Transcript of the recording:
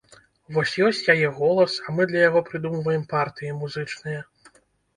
Вось ёсць яе голас, а мы для яго прыдумваем партыі музычныя.